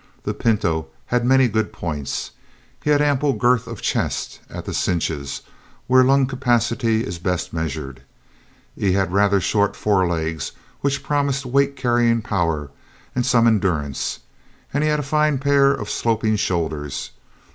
The pinto had many good points. He had ample girth of chest at the cinches, where lung capacity is best measured. He had rather short forelegs, which promised weight carrying power and some endurance, and he had a fine pair of sloping shoulders.